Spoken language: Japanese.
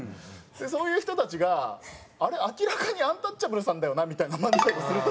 そういう人たちがあれ明らかにアンタッチャブルさんだよなみたいな漫才をする時。